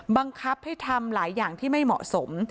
บังคับให้ทำหลายอย่างที่ไม่เหมาะสม